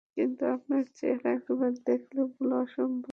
কিন্তু আপনার চেহারা একবার দেখলে ভুলা অসম্ভব।